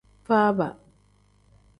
Faaba.